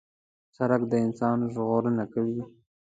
سړک د انسان ژغورنه کوي.